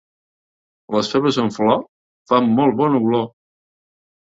Les faves en flor fan molt bona olor.